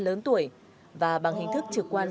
lớn tuổi và bằng hình thức trực quan